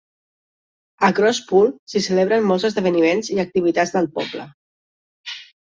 A Crosspool s'hi celebren molts esdeveniments i activitats del poble.